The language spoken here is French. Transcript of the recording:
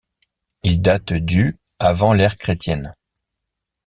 Il date du avant l'ère chrétienne.